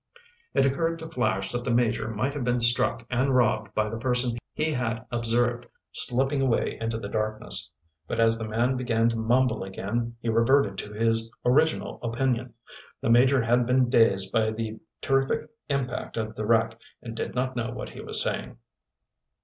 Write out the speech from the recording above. It occurred to Flash that the Major might have been struck and robbed by the person he had observed slipping away into the darkness. But as the man began to mumble again, he reverted to his original opinion. The Major had been dazed by the terrific impact of the wreck and did not know what he was saying.